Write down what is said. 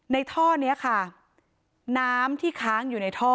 ท่อนี้ค่ะน้ำที่ค้างอยู่ในท่อ